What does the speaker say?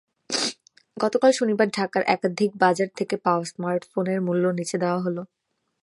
গতকাল শনিবার ঢাকার একাধিক বাজার থেকে পাওয়া স্মার্টফোনের মূল্য নিচে দেওয়া হলো।